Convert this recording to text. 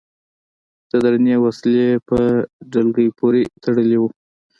د درنې وسلې په ډلګۍ پورې تړلي و.